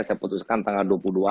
saya putuskan tanggal dua puluh dua